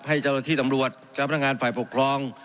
ให้เจ้าหน้าที่ตำรวจเจ้าพนักงานฝ่ายปกครอง